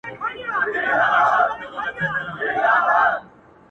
ممتاز به نوري کومي نخښي د تیرا راوړلې,